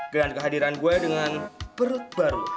dengan kehadiran gue dengan perut baru